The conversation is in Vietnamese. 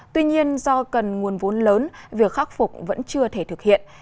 tuy nhiên do cần nguồn vốn lớn việc khắc phục vẫn chưa thể thực hiện